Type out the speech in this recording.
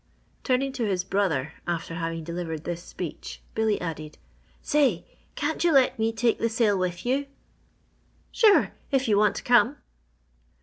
Turning to his brother after having delivered this speech, Billy added, "Say, can't you let me take the sail with you?" "Sure if you want to come."